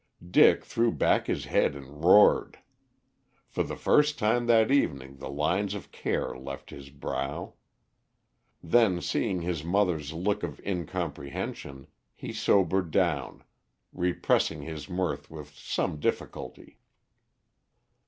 Dick threw back his head and roared. For the first time that evening the lines of care left his brow. Then seeing his mother's look of incomprehension, he sobered down, repressing his mirth with some difficulty.